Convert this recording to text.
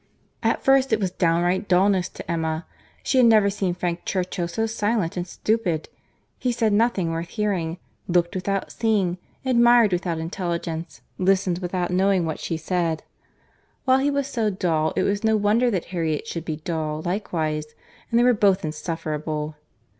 At first it was downright dulness to Emma. She had never seen Frank Churchill so silent and stupid. He said nothing worth hearing—looked without seeing—admired without intelligence—listened without knowing what she said. While he was so dull, it was no wonder that Harriet should be dull likewise; and they were both insufferable.